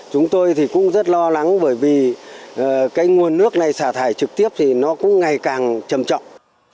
chúng tôi thì cũng rất lo lắng bởi vì cái nguồn nước này xả thải trực tiếp thì nó cũng ngày càng trầm trọng